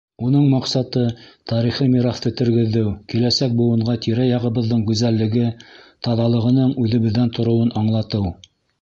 Уның маҡсаты — тарихи мираҫты тергеҙеү, киләсәк быуынға тирә-яғыбыҙҙың гүзәллеге, таҙалығының үҙебеҙҙән тороуын аңлатыу.